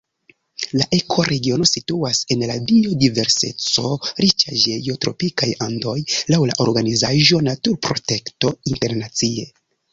La ekoregiono situas en la biodiverseco-riĉaĵejo Tropikaj Andoj laŭ la organizaĵo Naturprotekto Internacie.